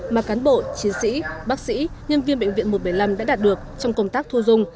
mà cán bộ chiến sĩ bác sĩ nhân viên bệnh viện một trăm bảy mươi năm đã đạt được trong công tác thu dung